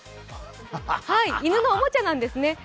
犬のおもちゃなんですね。